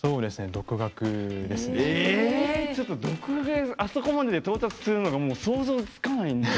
独学であそこまで到達するのが想像つかない。